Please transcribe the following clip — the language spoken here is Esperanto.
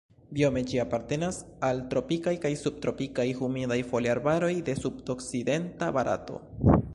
Biome ĝi apartenas al tropikaj kaj subtropikaj humidaj foliarbaroj de sudokcidenta Barato.